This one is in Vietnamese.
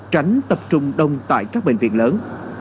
tránh tập trung đông tại các bệnh viện lớn